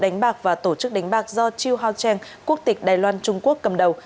đánh bạc và tổ chức đánh bạc do chiêu hao trang quốc tịch đài loan trung quốc cầm đầu